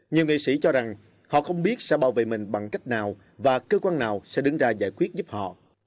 nhiều nghị sĩ cho rằng họ không biết sẽ bảo vệ mình bằng cách nào và cơ quan nào sẽ đứng ra giải quyết giúp họ